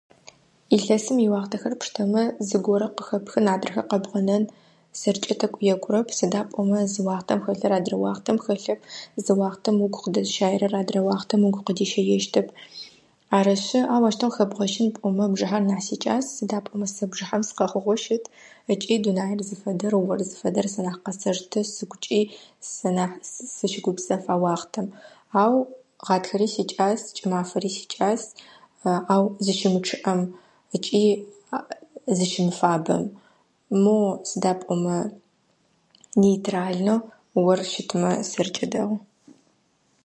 Илъэсым иуахътэхэр пштэмэ, зыгорэ къыхэпхын, адрэхэр къэбгъэнэн сэркӏэ тӏэкӏу екӏурэп. Сыда пӏомэ, зы уахътэм хэлъыр адрэ уахътэм хэлъэп. Зы уахътэм угу къыдэзыщаерэр адрэ уахътэм угу къыдищэещтэп. Арышъы, ау ащтэу къыхэбгъэщын пӏомэ, бжыхьэр нахь сикӀас, сыда пӏомэ, сэ бжыхьэм сыкъэхъугъэу щыт. Ыкӏи дунаир зыфэдэр, ор зыфэдэр сэ нахь къэсэштэ, сыгукӏи сынахь сыщыгупсэф а уахътэм. Ау гъатхэри сикӏас, кӏымафэри сикӏас. Ау зыщымычъыӏэм ыкӏи [unintelligible] зыщымыфабэм. Мо, сыда пӏомэ, нейтральнэу ор щытмэ сэркӏэ дэгъу.